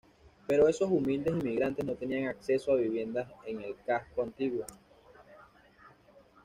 Pero esos humildes inmigrantes no tenían acceso a viviendas en el casco antiguo.